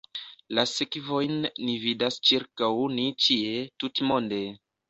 La sekvojn ni vidas ĉirkaŭ ni ĉie, tutmonde.